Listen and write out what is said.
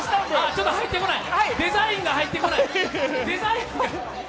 ちょっと入ってこない、デザインが入ってこない。